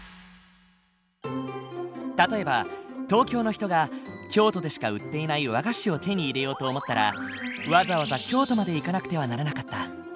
例えば東京の人が京都でしか売っていない和菓子を手に入れようと思ったらわざわざ京都まで行かなくてはならなかった。